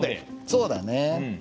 そうだね。